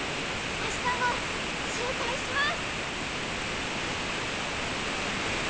明日も集会します！